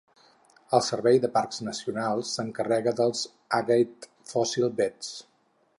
El servei de parcs nacionals s'encarrega dels Agate Fossil Beds.